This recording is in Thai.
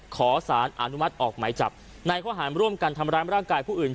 ขอสารอนุมัติออกหมายจับในข้อหารร่วมกันทำร้ายร่างกายผู้อื่น